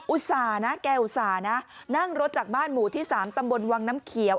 ต่านะแกอุตส่าห์นะนั่งรถจากบ้านหมู่ที่๓ตำบลวังน้ำเขียว